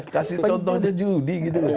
kasih contohnya judi gitu